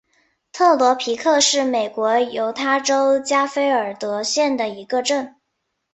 特罗皮克是美国犹他州加菲尔德县的一个镇。